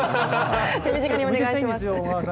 手短にお願いします。